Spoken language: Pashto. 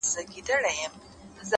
د زړه لاسونه مو مات . مات سول پسي.